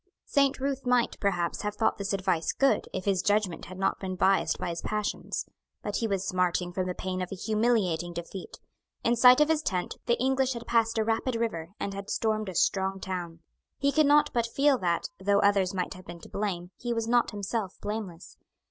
Saint Ruth might, perhaps, have thought this advice good, if his judgment had not been biassed by his passions. But he was smarting from the pain of a humiliating defeat. In sight of his tent, the English had passed a rapid river, and had stormed a strong town. He could not but feel that, though others might have been to blame, he was not himself blameless.